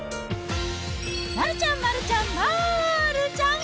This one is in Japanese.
丸ちゃん、丸ちゃん、丸ちゃん！